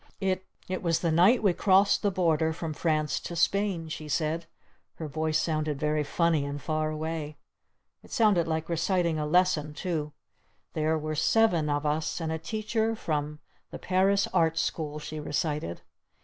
"It It was the night we crossed the border from France to Spain," she said. Her voice sounded very funny and far away. It sounded like reciting a lesson too. "There were seven of us and a teacher from the Paris art school," she recited.